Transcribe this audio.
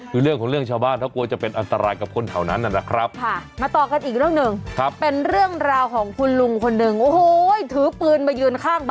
คือเรื่องของเรื่องชาวบ้านเขากลัวจะเป็นอันตรายกับคนแถวนั้นนะครับ